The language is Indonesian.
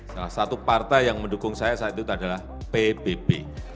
salah satu partai yang mendukung saya saat itu adalah pbb